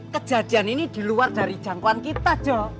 kejadian ini di luar dari jangkauan kita jo